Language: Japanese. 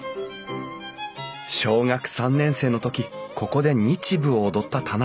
小学３年生の時ここで日舞を踊った田邊さん。